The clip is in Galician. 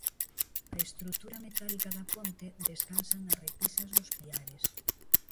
A estrutura metálica da ponte descansa nas repisas dos piares.